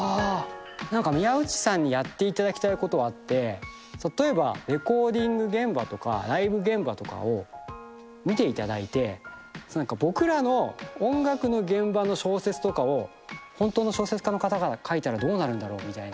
何か宮内さんにやっていただきたいことはあって例えばレコーディング現場とかライブ現場とかを見ていただいて僕らの音楽の現場の小説とかをホントの小説家の方が書いたらどうなるんだろう？みたいな。